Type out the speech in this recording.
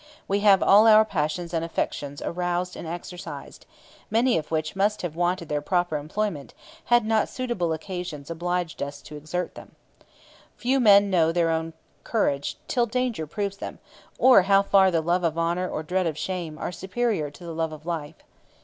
We have all our passions and affections aroused and exercised, many of which must have wanted their proper employment had not suitable occasions obliged us to exert them. Few men know their own courage till danger proves them, or how far the love of honour or dread of shame are superior to the love of life.